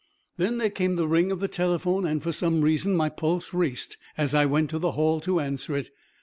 Then there came the ring of the telephone and, for some reason, my pulse raced as I went to the hall to answer it.